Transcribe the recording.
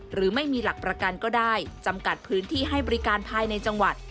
หรือไม่มีหลักประกันก็ได้จำกัดพื้นที่ให้บริการภายในจังหวัด